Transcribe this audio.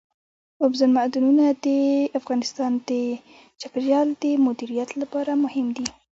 اوبزین معدنونه د افغانستان د چاپیریال د مدیریت لپاره مهم دي.